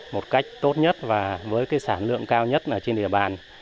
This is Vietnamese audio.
một cách tốt nhất và với cái sản lượng cao nhất trên địa bàn